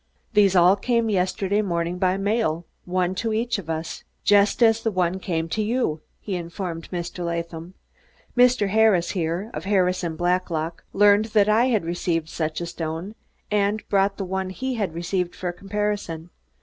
"These all came yesterday morning by mail, one to each of us just as the one came to you," he informed Mr. Latham. "Mr. Harris here, of Harris and Blacklock, learned that I had received such a stone, and brought the one he had received for comparison.